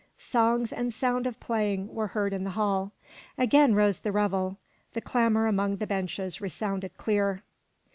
Songs and sound of playing were heard in the hall. Again rose the revel, the clamor along the benches resounded clear.